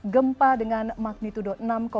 gempa dengan magnitudo enam tujuh